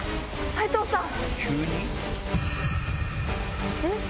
斉藤さん！